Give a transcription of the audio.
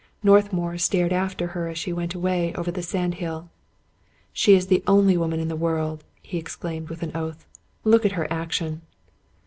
Northmour stared after her as she went away over the sand hill. " She is the only woman in the world I " he exclaimed with an oath. " Look at her action."